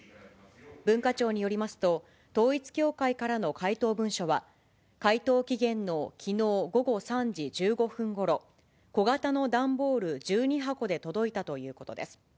文化庁によりますと、統一教会からの回答文書は、回答期限のきのう午後３時１５分ごろ、小型の段ボール１２箱で届いたということです。